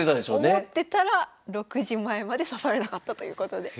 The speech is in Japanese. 思ってたら６時前まで指されなかったということで。